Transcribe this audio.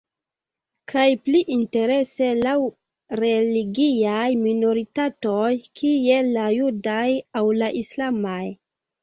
Kaj pli interese laŭ religiaj minoritatoj, kiel la judaj aŭ la islamaj.